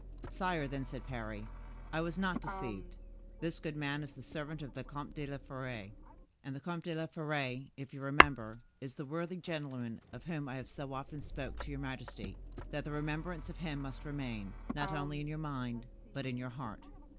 "Sire," then said Parry, "I was not deceived. This good man is the servant of the Comte de la Fere, and the Comte de la Fere, if you remember, is the worthy gentleman of whom I have so often spoken to your majesty that the remembrance of him must remain, not only in your mind, but in your heart."